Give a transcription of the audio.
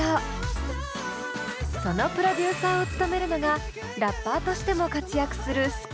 そのプロデューサーを務めるのがラッパーとしても活躍するＳＫＹ−ＨＩ。